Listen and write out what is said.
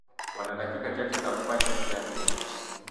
Wana dakika chache za kufanya mtihani ule